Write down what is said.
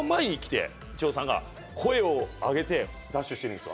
イチローさんが声を上げてダッシュしてるんですよ。